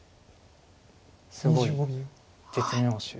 すごい絶妙手。